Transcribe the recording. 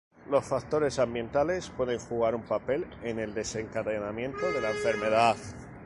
Los factores ambientales pueden jugar un papel en el desencadenamiento de la enfermedad.